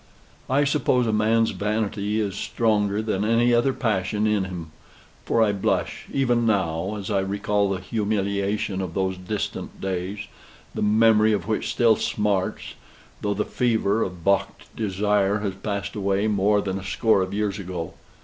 I suppose a man's vanity is stronger than any other passion in him; for I blush, even now, as I recall the humiliation of those distant days, the memory of which still smarts, though the fever of balked desire has passed away more than a score of years ago.